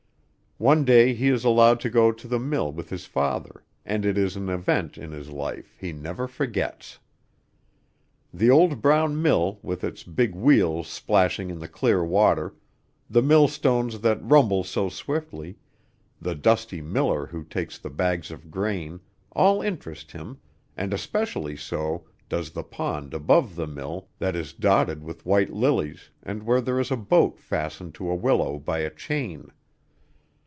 One day he is allowed to go to the mill with his father, and it is an event in his life he never forgets. The old brown mill with its big wheel splashing in the clear water; the millstones that rumble so swiftly; the dusty miller who takes the bags of grain all interest him, and especially so does the pond above the mill that is dotted with white lilies and where there is a boat fastened to a willow by a chain.